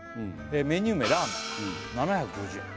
メニュー名ラーメン７５０円